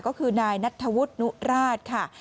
ก็คือนายนัทธวุฒินุราชค่ะ